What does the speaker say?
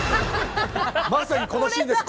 まさにこのシーンです。